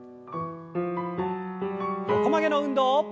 横曲げの運動。